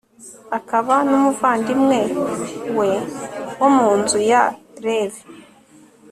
akaba n'umuvandimwe we, wo mu nzu ya levi